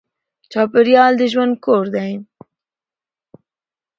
چاپېریال د ژوند کور دی.